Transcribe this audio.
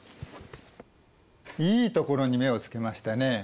いいところに目をつけましたね。